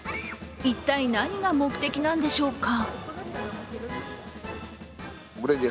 一体何が目的なんでしょうか。